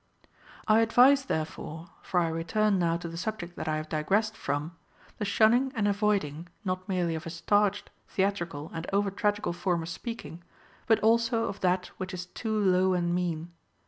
I advise therefore (for I return now to the subject that I have digressed from) the shunning and avoiding, not merely of a starched, theatrical, and over tragical form of speaking, but also of that which is too low and mean.